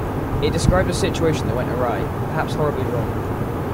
It describes a situation that went awry, perhaps horribly wrong.